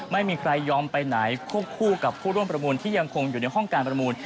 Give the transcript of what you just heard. ไม่ยอมไปไหนควบคู่กับผู้ร่วมประมูลที่ยังคงอยู่ในห้องการประมูล